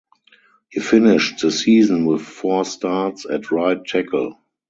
He finished the season with four starts at right tackle.